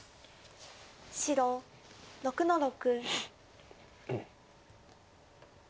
白６の六。